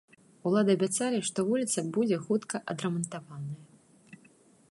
Улады абяцалі, што вуліца будзе хутка адрамантаваная.